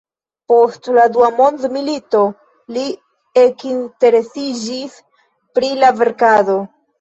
Post la dua mondmilito li ekinteresiĝis pri la verkado.